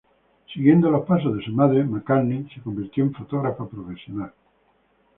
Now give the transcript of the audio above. Siguiendo los pasos de su madre, McCartney se convirtió en fotógrafa profesional.